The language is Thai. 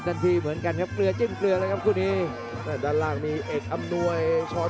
แล้วจะมาอีกแล้วครับสอกขวา